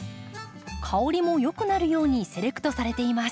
香りもよくなるようにセレクトされています。